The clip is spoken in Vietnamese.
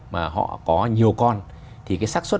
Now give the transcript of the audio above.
mà họ có nhiều con thì cái sắc xuất